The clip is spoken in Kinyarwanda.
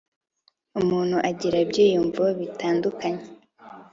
umuntu agira ibyiyumvo bitandukanye